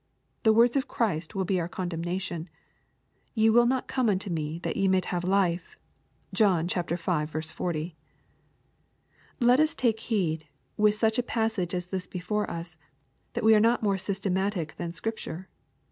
The words of Christ will be our condemna lion :" Ye will not come unto me, that ye might have life." (John v. 40.) Let us take heed, with such a passage as this before us, that we are not more systematic than Scripture.